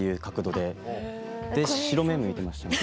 で白目むいてました。